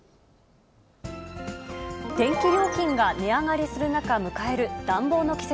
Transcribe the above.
電気料金が値上がりする中迎える暖房の季節。